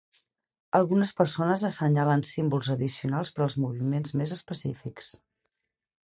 Algunes persones assenyalen símbols addicionals per als moviments més específics.